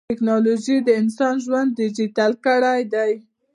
ټکنالوجي د انسان ژوند ډیجیټلي کړی دی.